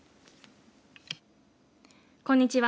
こんにちは。